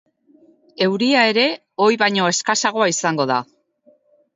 Euria ere ohi baino eskasagoa izango da.